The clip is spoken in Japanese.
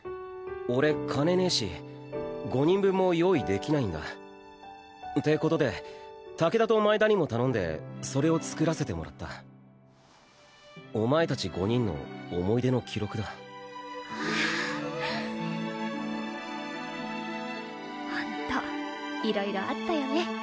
俺金ねえし５人分も用意できないんだってことで武田と前田にも頼んでそれを作らせてもらったお前達５人の思い出の記録だホント色々あったよね